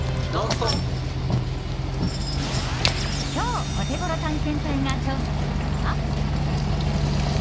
今日、オテゴロ探検隊が調査するのは。